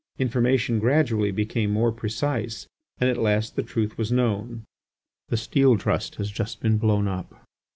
Information gradually became more precise and at last the truth was known. "The Steel Trust has just been blown up."